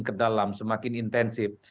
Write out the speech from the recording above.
ke dalam semakin intensif